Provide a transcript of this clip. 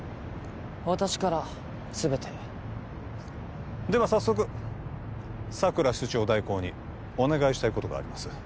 私からすべてではさっそく佐久良室長代行にお願いしたいことがあります